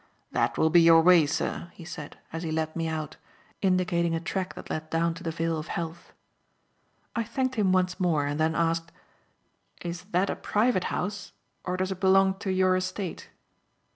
"That will be your way, sir," he said, as he let me out, indicating a track that led down to the Vale of Health. I thanked him once more and then asked: "Is that a private house or does it belong to your estate?"